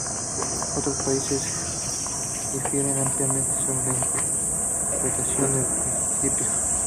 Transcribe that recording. Otros países difieren ampliamente sobre la interpretación del principio.